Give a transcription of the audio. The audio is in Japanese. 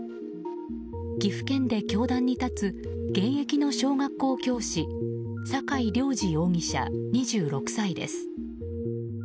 岐阜県で教壇に立つ現役の小学校教師酒井涼至容疑者、２６歳です。